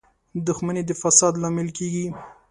• دښمني د فساد لامل کېږي.